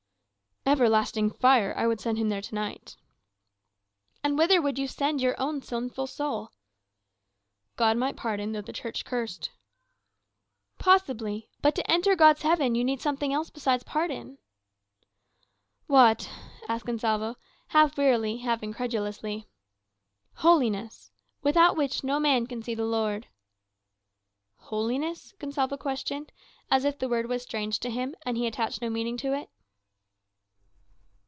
"Everlasting fire! I would send him there to night." "And whither would you send your own sinful soul?" "God might pardon, though the Church cursed." "Possibly. But to enter God's heaven you need something besides pardon." "What?" asked Gonsalvo, half wearily, half incredulously. "'Holiness; without which no man can see the Lord.'" "Holiness?" Gonsalvo questioned, as if the word was strange to him, and he attached no meaning to it.